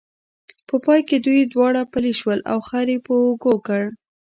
په پای کې دوی دواړه پلي شول او خر یې په اوږو کړ.